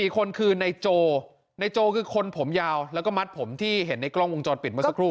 ๔คนคือนายโจในโจคือคนผมยาวแล้วก็มัดผมที่เห็นในกล้องวงจรปิดเมื่อสักครู่